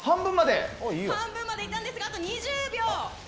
半分までいったんですがあと２０秒。